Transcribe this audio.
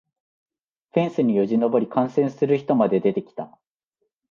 フェンスによじ登り観戦する人まで出てきた